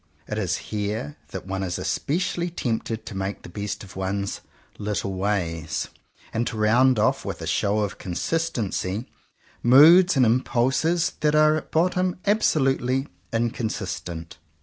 It is here that one is especially tempted to make the best of one's "little ways," and to round ofl^, with a show of consistency, moods and impulses that are at the bottom ab solutely inconsistent.